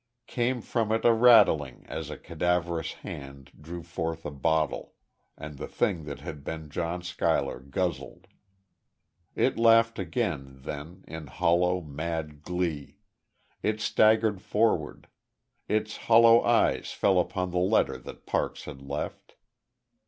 Came from it a rattling as a cadaverous hand drew forth a bottle.... And the thing that had been John Schuyler guzzled. It laughed again, then, in hollow, mad glee. It staggered forward. Its hollow eyes fell upon the letter that Parks had left.